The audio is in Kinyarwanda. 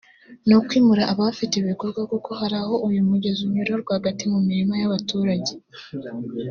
ni kwimura abahafite ibikorwa kuko hari aho uyu mugezi unyura rwagati mu mirima y’abaturage